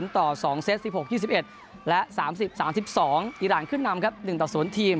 ต่อ๒เซต๑๖๒๑และ๓๐๓๒อีรานขึ้นนำครับ๑ต่อ๐ทีม